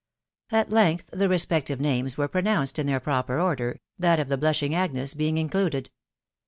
At length the respective names were pronounced in their proper order, that of the blushing Agnes being included.